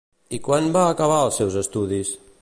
I quan va acabar els seus estudis?